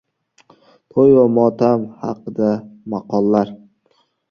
To‘y va motam haqida maqollar.